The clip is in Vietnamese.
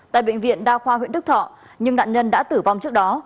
tại bệnh viện đa khoa huyện đức thọ nhưng nạn nhân đã tử vong trước đó